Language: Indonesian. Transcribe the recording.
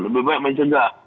lebih baik mencegah